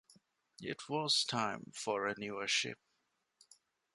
It was time for a newer ship.